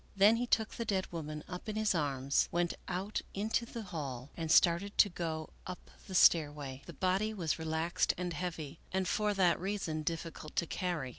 Then he took the dead woman up in his arms, went out into the hall, and started to go up the stairway. The body was re laxed and heavy, and for that reason difficult to carry.